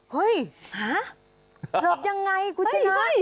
เฮ้ยหาเสิร์ฟยังไงกูจะนัด